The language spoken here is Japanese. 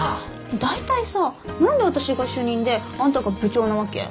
大体さ何で私が主任であんたが部長なわけ？